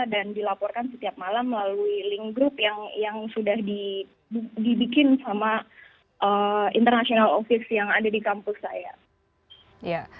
dan dilaporkan setiap malam melalui link group yang sudah dibikin sama international office yang ada di kampung saya